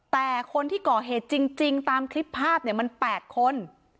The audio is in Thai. แต่คนที่ก่อเหตุจริงตามคลิปภาพเนี่ยมัน๘คน